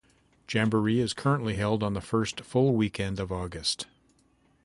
Jamboree is currently held on the first full weekend of August.